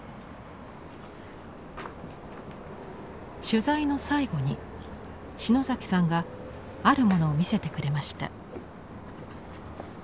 取材の最後に篠崎さんがあるものを見せてくれました。